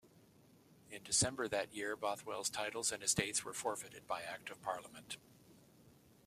In December that year, Bothwell's titles and estates were forfeited by Act of Parliament.